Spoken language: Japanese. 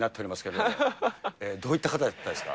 どういった方だったんですか。